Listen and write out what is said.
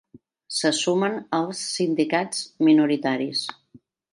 Se sumen els sindicats minoritaris.